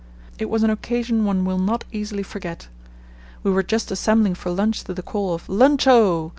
It was an occasion one will not easily forget. We were just assembling for lunch to the call of 'Lunch O!